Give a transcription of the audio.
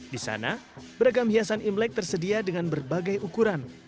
di sana beragam hiasan imlek tersedia dengan berbagai ukuran